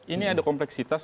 ini ada kompleksitas